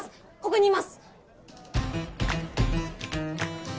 ここにいます！